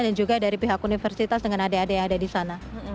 dan juga dari pihak universitas dengan adik adik yang ada di sana